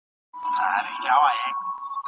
د تاریخ له کنګرو څخه واورئ.